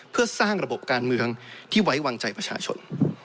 เพื่อสร้างระบบการเมืองที่ไว้วางใจประชาชน